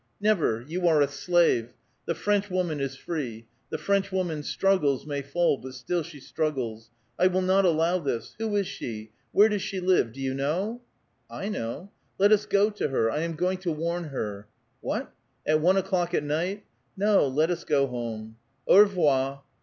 " Never! You are a slave! The French woman is free. The French woman struggles, may fall, but still she struggles. I will not allow this. Who is she? Where does she live? Do vou know?" "'l know." '* Let us go to her. I am going to warn her." " What ! at one o'clock at night? No, let us go home. — Au revoir!